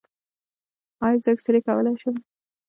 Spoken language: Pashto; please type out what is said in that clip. ایا زه اکسرې کولی شم؟